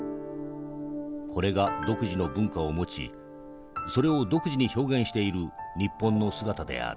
これが独自の文化を持ちそれを独自に表現している日本の姿である」。